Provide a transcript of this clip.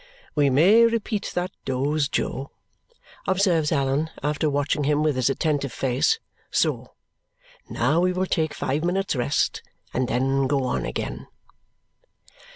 "We may repeat that dose, Jo," observes Allan after watching him with his attentive face. "So! Now we will take five minutes' rest, and then go on again."